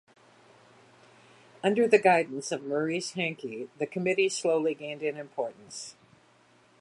Under the guidance of Maurice Hankey, the Committee slowly gained in importance.